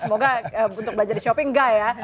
semoga untuk belanja di shopee enggak ya